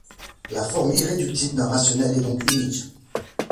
La forme irréductible d'un rationnel est donc unique.